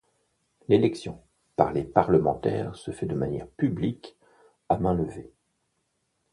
L'élection par les parlementaires se fait de manière publique, à main levée.